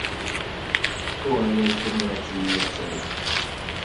Toor lives and works in New York City.